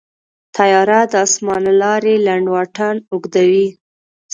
طیاره د اسمان له لارې لنډ واټن اوږدوي.